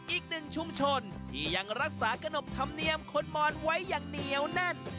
อีกหนึ่งชุมชนที่ยังรักษาขนบธรรมเนียมคนมอนไว้อย่างเหนียวแน่น